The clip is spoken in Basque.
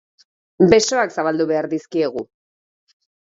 Besoak zabaldu behar dizkiegu.